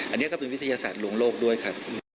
อันนี้ก็เป็นวิทยาศาสตร์ลวงโลกด้วยครับ